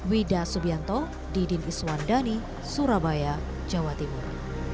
wida subianto didin iswandani surabaya jawa timur